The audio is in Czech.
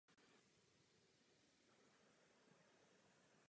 To vše jsou dobré zprávy, dámy a pánové.